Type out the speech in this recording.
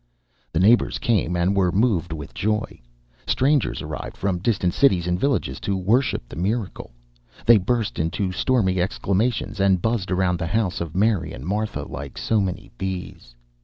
The neighbours came and were moved with joy. Strangers arrived from distant cities and villages to worship the miracle. They burst into stormy exclamations, and buzzed around the house of Mary and Martha, like so many bees.